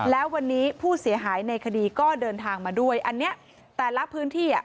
แล้ววันนี้ผู้เสียหายในคดีก็เดินทางมาด้วยอันนี้แต่ละพื้นที่อ่ะ